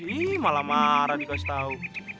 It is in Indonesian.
ih malah marah dikasih tau